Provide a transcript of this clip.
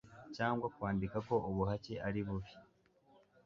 cyangwa kwandika ko ubuhake ari bubi